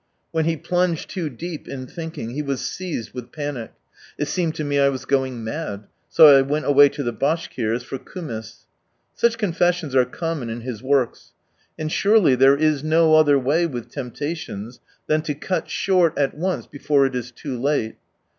When he plunged too deep in thinking, he was seized with panic. " It seemed to me I was going mad, so I went away to the Bashkirs for koumiss." Such confessions are common in his works. And surely there is no other way with temptations, than to cut short, at once, before it is too late.